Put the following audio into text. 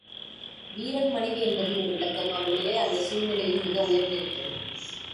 வீரன் மனைவி என்பதில் ஒரு விளக்கம், அவள் நிலை அந்தச் சூழ்நிலையில் மிக உயர்ந்து விட்டது.